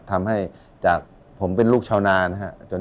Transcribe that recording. ทำให้จากผมเป็นลูกชาวนานะครับ